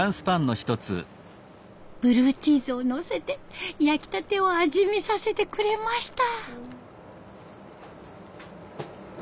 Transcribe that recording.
ブルーチーズをのせて焼きたてを味見させてくれました。